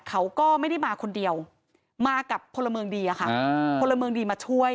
เขาก็ไม่ได้มาคนเดียวมากับพลเมืองดีอะค่ะพลเมืองดีมาช่วย